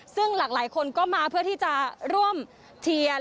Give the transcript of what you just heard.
ซึ่งหลากหลายคนก็มาเพื่อที่จะร่วมเทียน